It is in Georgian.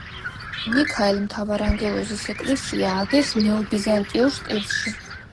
მიქაელ მთავარანგელოზის ეკლესია ააგეს ნეობიზანტიურ სტილში.